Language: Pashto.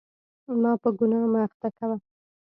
ما په ګناه مه اخته کوه.